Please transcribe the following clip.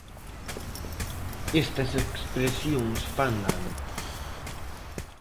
Estas expresións fan dano.